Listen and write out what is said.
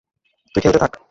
তুই খেলতে থাক।